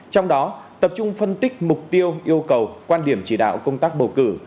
trong đó tập trung phân tích mục tiêu yêu cầu quan điểm chỉ đạo công tác bầu cử